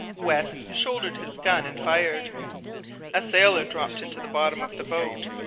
West shouldered his gun and fired; a sailor dropped into the bottom of the boat.